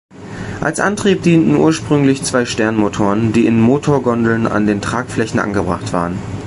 Als Antrieb dienten ursprünglich zwei Sternmotoren, die in Motorgondeln an den Tragflächen angebracht waren.